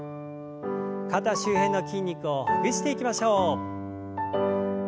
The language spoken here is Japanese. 肩周辺の筋肉をほぐしていきましょう。